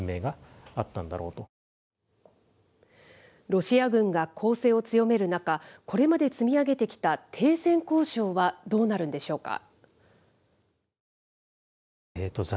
ロシア軍が攻勢を強める中、これまで積み上げてきた停戦交渉はどうなるんでしょうか。